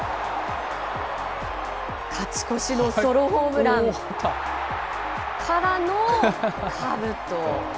勝ち越しのソロホームラン。からの、かぶと。